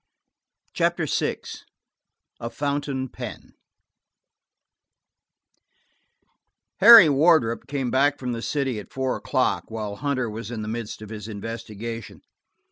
CHAPTER VI A FOUNTAIN PEN HARRY WARDROP came back from the city at four o'clock, while Hunter was in the midst of his investigation.